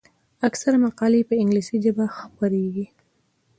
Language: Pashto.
اکثره مقالې په انګلیسي ژبه خپریږي.